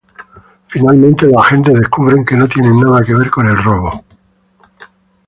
Finalmente los agentes descubren que no tiene nada que ver con el robo.